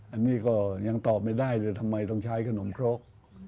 อันนี้ก็ยังตอบไม่ได้เลยทำไมต้องใช้ขนมครก